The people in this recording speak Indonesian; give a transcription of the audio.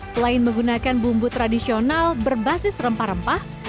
selain menggunakan bumbu tradisional berbasis rempah rempah